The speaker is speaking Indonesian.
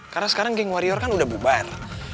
karena sekarang geng warior kan udah bubar